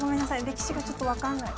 歴史がちょっとわからない。